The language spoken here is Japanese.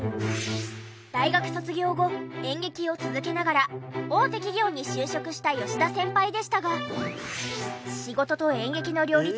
大学卒業後演劇を続けながら大手企業に就職した吉田先輩でしたが。